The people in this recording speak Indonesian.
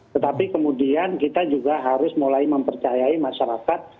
tetapi kemudian kita juga harus mulai mempercayai masyarakat